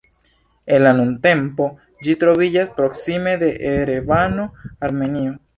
En la nuntempo ĝi troviĝas proksime de Erevano, Armenio.